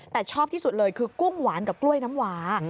แต่ชอบที่สุดเลยคือกุ้งหวานกับกล้วยน้ำหวา